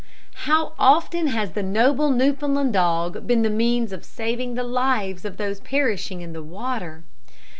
How often has the noble Newfoundland dog been the means of saving the lives of those perishing in the water!